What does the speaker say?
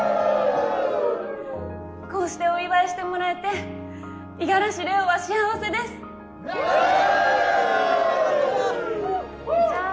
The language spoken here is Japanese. こうしてお祝いしてもらえて五十嵐れおは幸せですじゃあ